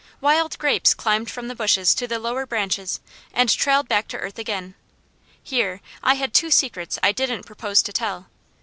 Wild grapes climbed from the bushes to the lower branches and trailed back to earth again. Here, I had two secrets I didn't propose to tell.